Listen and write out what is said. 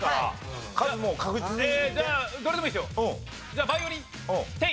じゃあバイオリン「提」。